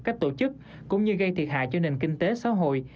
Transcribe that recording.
các tổ chức cũng như gây thiệt hại cho nền kinh tế xã hội